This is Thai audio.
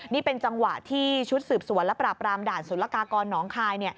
นี่เป็นจังหวะที่ชุดสืบสวนและปราบรามด่านสุรกากรหนองคาย